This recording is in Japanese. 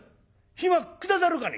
「暇下さるかね？」。